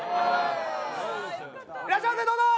いらっしゃいませ、どうぞ。